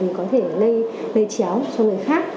để có thể lây chéo cho người khác